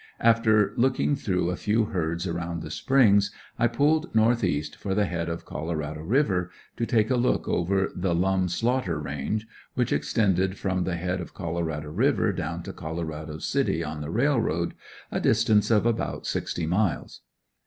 After looking through a few herds around the Springs I pulled north east for the head of Colorado River, to take a look over the Lum Slaughter range, which extended from the head of Colorado River down to Colorado City on the railroad, a distance of about sixty miles.